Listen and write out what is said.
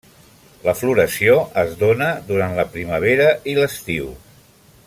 La floració es dóna durant la primavera i l'estiu.